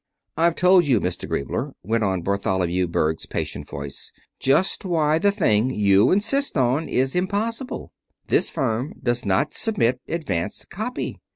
"I've told you, Mr. Griebler," went on Bartholomew Berg's patient voice, "just why the thing you insist on is impossible. This firm does not submit advance copy.